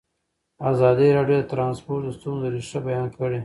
ازادي راډیو د ترانسپورټ د ستونزو رېښه بیان کړې.